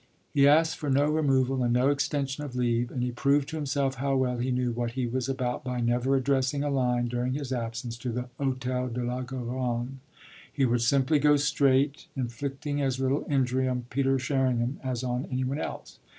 He asked for no removal and no extension of leave, and he proved to himself how well he knew what he was about by never addressing a line, during his absence, to the Hôtel de la Garonne. He would simply go straight, inflicting as little injury on Peter Sherringham as on any one else.